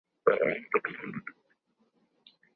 اپنے شوق کی تکمیل کروں گی